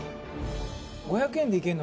「５００円でいけるの